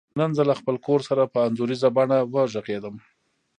نن زه له خپل کور سره په انځوریزه بڼه وغږیدم.